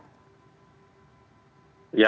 ya jadi vaksinasi memang benar